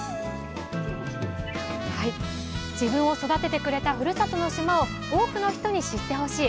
自分を育ててくれたふるさとの島を多くの人に知ってほしい。